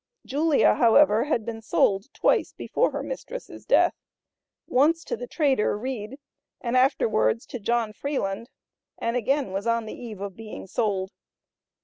Julia, however, had been sold twice before her mistress' death; once to the trader, Reed, and afterwards to John Freeland, and again was on the eve of being sold.